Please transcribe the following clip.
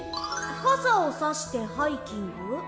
かさをさしてハイキング？